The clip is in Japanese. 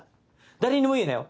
誰にも言うなよ